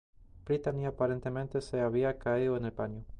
Brittany aparentemente se había caído en el baño.